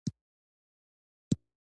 موافقه لغو کړي.